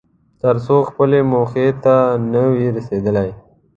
تر څو خپلې موخې ته نه وې رسېدلی.